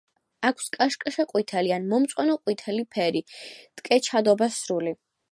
აქვს კაშკაშა ყვითელი ან მომწვანო ყვითელი ფერი, ტკეჩადობა სრული.